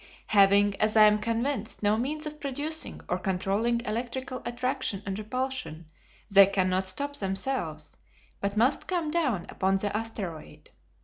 "Having, as I am convinced, no means of producing or controlling electrical attraction and repulsion, they cannot stop themselves, but must come down upon the asteroid.